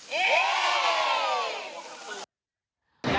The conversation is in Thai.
หมูป่าออกมาเร็วนะ